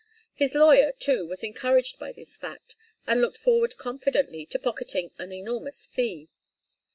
His lawyer, too, was encouraged by this fact; and looked forward confidently to pocketing an enormous fee.